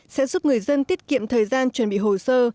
sẽ giúp người dân tiết kiệm thời gian chuẩn bị hồ sơ